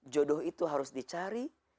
jodoh itu harus dicari